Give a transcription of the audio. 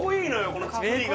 この造りが。